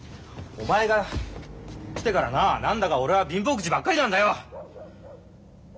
お前が来てからな何だか俺は貧乏くじばっかりなんだよ！